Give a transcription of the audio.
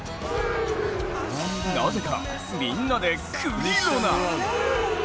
なぜか、みんなでクリロナ。